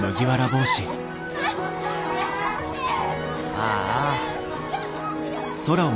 ああ。